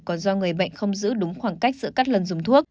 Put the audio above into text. còn do người bệnh không giữ đúng khoảng cách giữa các lần dùng thuốc